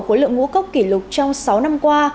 khối lượng ngũ cốc kỷ lục trong sáu năm qua